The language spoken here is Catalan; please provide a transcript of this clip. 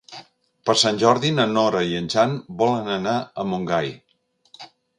Per Sant Jordi na Nora i en Jan volen anar a Montgai.